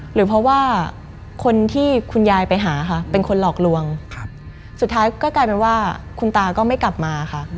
หรือเพราะว่าคนที่คุณยายไปหาค่ะเป็นคนหลอกลวงสุดท้ายก็กลายเป็นว่าคุณตาก็ไม่กลับมาค่ะ